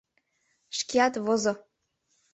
Шкеат возо.